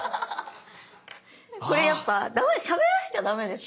これやっぱしゃべらしちゃダメですよ。